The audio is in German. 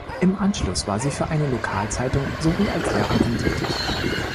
Im Anschluss war sie für eine Lokalzeitung sowie als Lehrerin tätig.